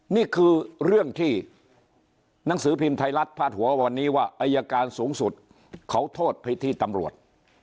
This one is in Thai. นี่คือเรื่องที่หนังสือพิมพ์ไทยรัฐพาดหัววันนี้ว่าอายการสูงสุดเขาโทษพิธีตำรวจ